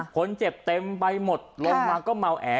ผลเจ็บเต็มไปหมดลดมาก็เมาแอ